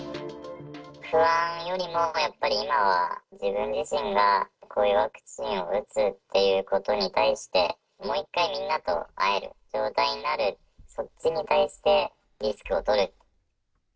不安よりも、やっぱり今は自分自身がこういうワクチンを打つっていうことに対して、もう一回みんなと会える状態になる、そっちに対して、リスクを取る。